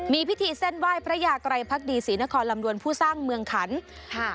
มีพิธีเส้นไหว้พระยากรัยพักดีศรีนครลำดวนผู้สร้างเมืองขันค่ะ